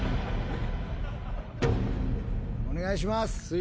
お願いします。